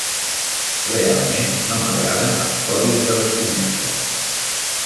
Realment no m'agraden els codis de vestimenta.